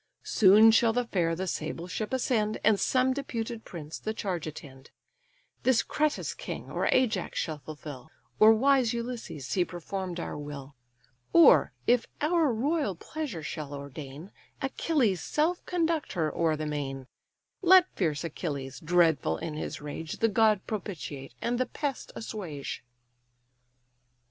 Soon shall the fair the sable ship ascend, And some deputed prince the charge attend: This Creta's king, or Ajax shall fulfil, Or wise Ulysses see perform'd our will; Or, if our royal pleasure shall ordain, Achilles' self conduct her o'er the main; Let fierce Achilles, dreadful in his rage, The god propitiate, and the pest assuage."